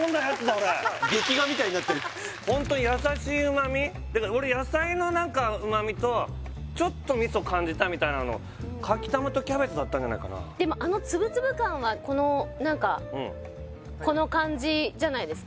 これ劇画みたいになってるホント優しい旨味だから俺野菜の何か旨味とちょっと味噌感じたみたいなのかきたまとキャベツだったんじゃないかなでもあのつぶつぶ感はこの何かこの感じじゃないですか？